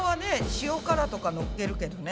塩辛とかのっけるけどね。